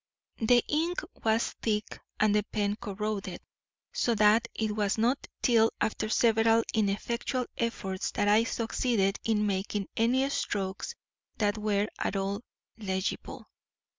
The ink was thick and the pen corroded, so that it was not till after several ineffectual efforts that I succeeded in making any strokes that were at all legible.